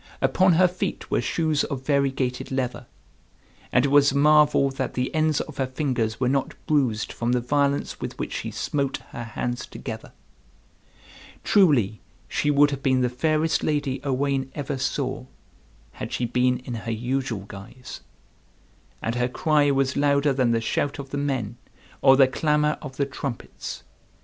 Upon her feet were shoes of variegated leather. And it was a marvel that the ends of her fingers were not bruised from the violence with which she smote her hands together. Truly she would have been the fairest lady Owain ever saw, had she been in her usual guise. And her cry was louder than the shout of the men or the clamor of the trumpets.